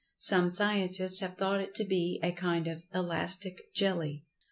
Some scientists have thought it to be a kind of "elastic jelly."